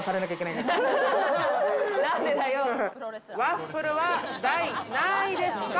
ワッフルは第何位ですか？